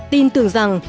tin tưởng rằng